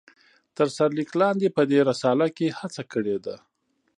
تر سر ليک لاندي په دي رساله کې هڅه کړي ده